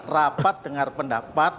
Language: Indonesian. rapat dengar pendapat